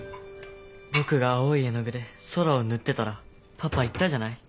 僕が青い絵の具で空を塗ってたらパパ言ったじゃない。